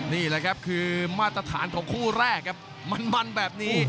นี่แหละครับคือมาตรฐานของคู่แรกครับมันแบบนี้